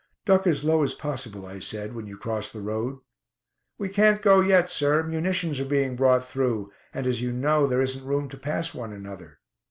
"Duck as low as possible," I said, "when you cross the road." "We can't go yet, sir; munitions are being brought through, and, as you know, there isn't room to pass one another."